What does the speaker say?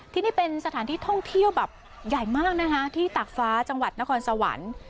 ที่นี่เป็นสถานที่ท่องเที่ยวแบบใหญ่มากนะคะที่ตากฟ้าจังหวัดนครสวรรค์